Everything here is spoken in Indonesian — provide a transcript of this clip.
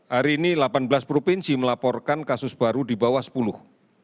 hari ini delapan belas provinsi melaporkan kasus baru di bawah sepuluh